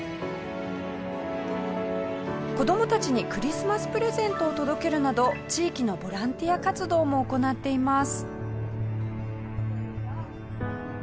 子どもたちにクリスマスプレゼントを届けるなど地域のボランティア活動も行っています。